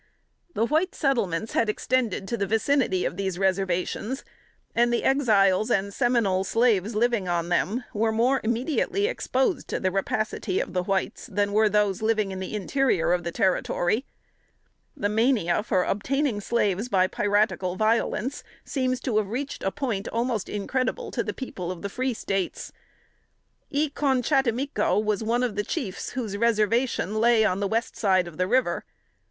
The white settlements had extended to the vicinity of these reservations, and the Exiles and Seminole slaves living on them were more immediately exposed to the rapacity of the whites than were those in the interior of the territory. [Sidenote: 1835.] The mania for obtaining slaves by piratical violence, seems to have reached a point almost incredible to the people of the free States. E con chattimico was one of the chiefs whose reservation lay on the west side of the river.